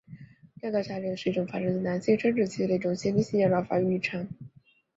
尿道下裂是一种发生在男性生殖器的一种先天性尿道发育异常。